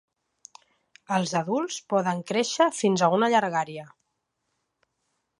Els adults poden créixer fins a una llargària.